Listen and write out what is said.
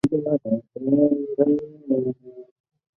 苍山假瘤蕨为水龙骨科假瘤蕨属下的一个种。